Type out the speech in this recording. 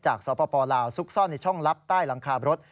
สปลาวซุกซ่อนในช่องลับใต้หลังคารถ